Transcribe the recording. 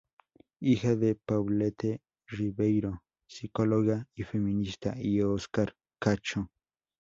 Hija de Paulette Ribeiro, psicóloga y feminista y Oscar Cacho.